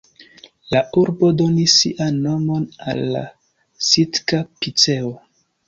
La urbo donis sian nomon al la Sitka-piceo.